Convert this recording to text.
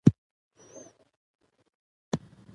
د چاپیریال د پاکوالي لپاره د پلاستیکي کڅوړو کارول کم کړئ.